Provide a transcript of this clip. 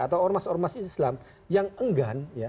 atau ormast ormast islam yang enggan